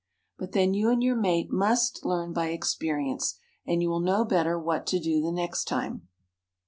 But then you and your mate must learn by experience and you will know better what to do the next time."